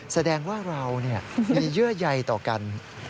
แสดงว่าเรามีเยื่อใยต่อกัน